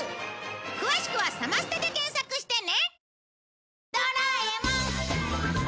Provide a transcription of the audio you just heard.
詳しくは「サマステ」で検索してね！